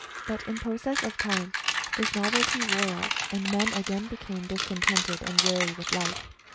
But in process of time this novelty wore off, and men again became discontented and wearied with life.